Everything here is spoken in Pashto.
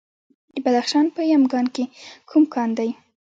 د بدخشان په یمګان کې کوم کان دی؟